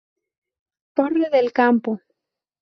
Torre del campo